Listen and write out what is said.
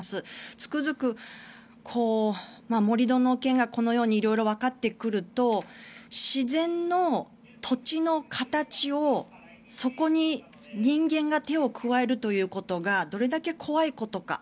つくづく盛り土の件がこのように色々わかってくると自然の土地の形を、そこに人間が手を加えるということがどれだけ怖いことか。